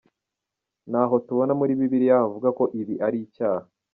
Ntaho tubona muri Bibiliya havuga ko ibi ari icyaha.